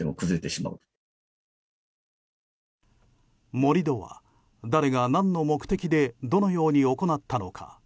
盛り土は、誰が何の目的でどのように行ったのか。